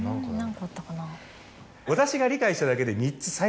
私が理解しただけで。